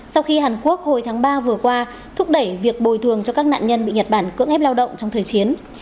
sau khi hàn quốc hồi tháng ba vừa qua thúc đẩy việc bồi thường cho các nạn nhân bị nhật bản cưỡng ép lao động trong thời chiến